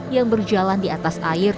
yang berjalan di atas air